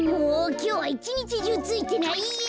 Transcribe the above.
きょうはいちにちじゅうついてないや。